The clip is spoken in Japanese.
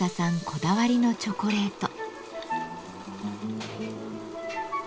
こだわりのチョコレート。